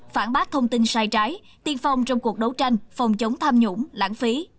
phản bác thông tin sai trái tiên phong trong cuộc đấu tranh phòng chống tham nhũng lãng phí